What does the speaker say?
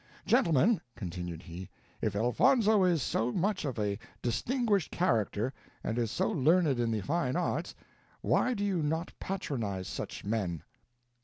Gentlemen," continued he, "if Elfonzo is so much of a distinguished character, and is so learned in the fine arts, why do you not patronize such men?